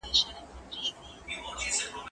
زه اجازه لرم چي زده کړه وکړم،